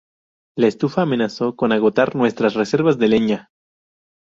La estufa amenazó con agotar nuestras reservas de leña.